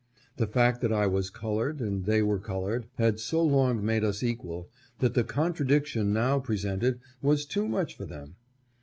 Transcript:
' The fact that I was colored and they were colored had so long made us equal, that the contradiction now presented was too much for them.